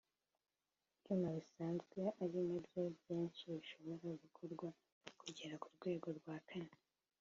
Ibyuma bisanzwe (ari nabyo byinshi) bishobora gukorwa kugera ku rwego rwa kane